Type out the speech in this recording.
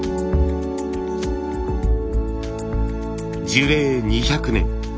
樹齢２００年。